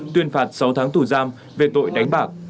tuyên phạt sáu tháng tù giam về tội đánh bạc